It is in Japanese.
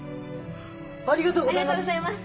ありがとうございます！